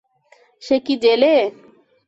সে কী জেলে?